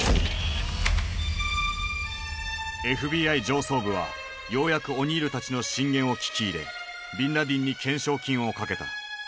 ＦＢＩ上層部はようやくオニールたちの進言を聞き入れビンラディンに懸賞金をかけた。